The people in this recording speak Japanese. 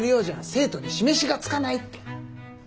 生徒に示しがつかないって。